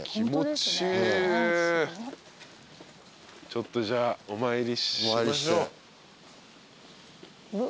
ちょっとじゃあお参りしましょう。